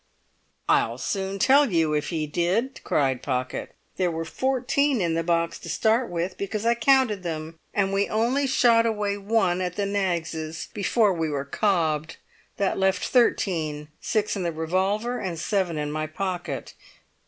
"I'll soon tell you if he did!" cried Pocket. "There were fourteen in the box to start with, because I counted them, and we only shot away one at the Knaggses' before we were cobbed. That left thirteen—six in the revolver and seven in my pocket.